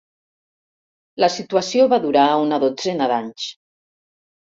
La situació va durar una dotzena d'anys.